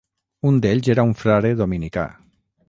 Un d'ells era un frare dominicà.